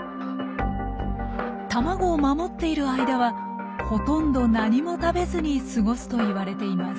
卵を守っている間はほとんど何も食べずに過ごすといわれています。